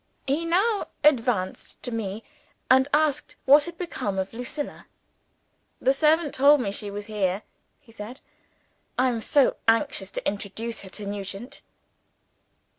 He now advanced to me, and asked what had become of Lucilla. "The servant told me she was here," he said. "I am so anxious to introduce her to Nugent."